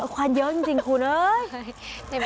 ควันเยอะจริงคุณเอ้ย